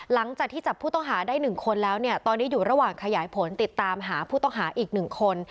หลังจากที่จับผู้ต้องหาได้๑คนแล้วเนี่ยตอนนี้อยู่ระหว่างขยายผลติดตามหาผู้ต้องหาอีก๑คน